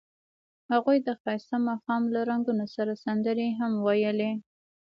هغوی د ښایسته ماښام له رنګونو سره سندرې هم ویلې.